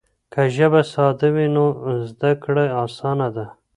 که ژبه ساده وي نو زده کړه اسانه ده.